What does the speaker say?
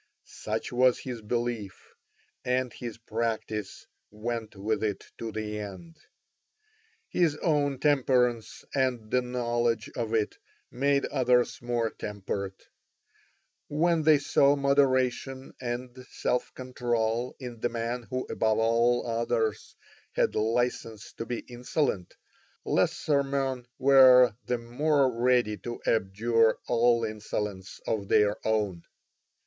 Such was his belief, and his practice went with it to the end. His own temperance and the knowledge of it made others more temperate. When they saw moderation and self control in the man who above all others had licence to be insolent, lesser men were the more ready to abjure all insolence of their own.